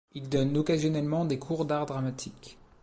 Il donne occasionnellement des cours d'art dramatique.